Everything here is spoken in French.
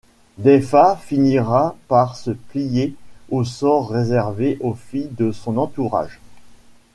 Daiffa finira par se plier au sort réservé aux filles de son entourage.